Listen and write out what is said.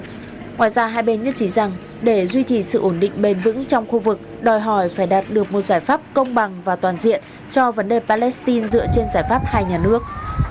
ngoài ra hai bên nhất trí rằng để duy trì sự ổn định bền vững trong khu vực đòi hỏi phải đạt được một giải pháp công bằng và toàn diện cho vấn đề palestine dựa trên giải pháp hai nhà nước